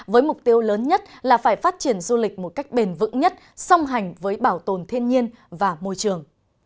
với mục tiêu lớn nhất là phải phát triển du lịch một cách bền vững nhất song hành với bảo tồn thiên nhiên và môi trường